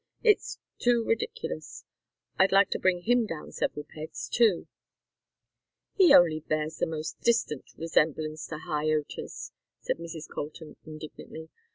It's too ridiculous. I'd like to bring him down several pegs, too." "He bears only the most distant resemblance to Hi Otis," said Mrs. Colton, indignantly.